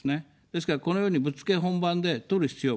ですから、このように、ぶっつけ本番で撮る必要もない。